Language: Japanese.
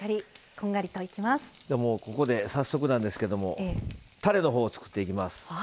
ここで、早速なんですけどもたれのほうを作っていきます。